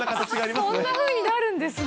こんなふうになるんですね。